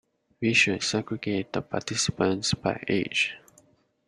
We should segregate the participants by age.